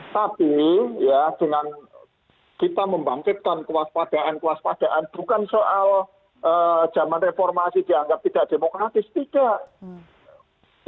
tapi ya dengan kita membangkitkan kewaspadaan kewaspadaan bukan soal zaman reformasi dianggap tidak demokratis tidak